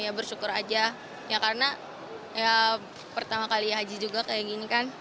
ya bersyukur aja ya karena pertama kali haji juga kayak gini kan